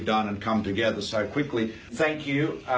เห็นงานที่เธอทำและเกี่ยวหน่อย